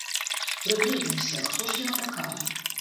Прыгледзімся, хто ж яна такая?